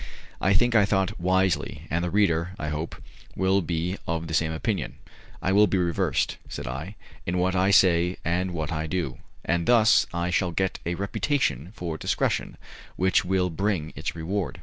I think I thought wisely, and the reader, I hope, will be of the same opinion. "I will be reserved," said I, "in what I say and what I do, and thus I shall get a reputation for discretion which will bring its reward."